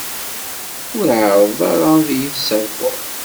Ur ɛeṛṛeḍ ara ad iyi-tesserfuḍ.